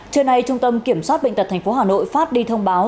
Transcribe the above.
trưa nay trung tâm kiểm soát bệnh tật tp hà nội phát đi thông báo